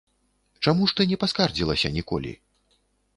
Чаму ж ты не паскардзілася ніколі?